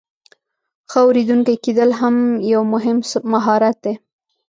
ښه اوریدونکی کیدل هم یو مهم مهارت دی.